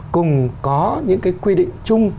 cùng có những quy định chung